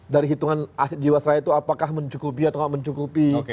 dari hitungan aset jiwasraya itu apakah mencukupi atau tidak mencukupi